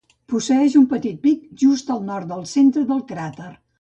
Posseeix un petit pic just al nord del centre del cràter.